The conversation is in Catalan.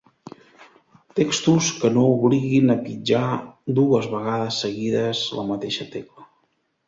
Textos que no obliguin a pitjar dues vegades seguides la mateixa tecla.